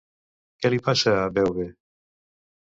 Què li passa a Beuve?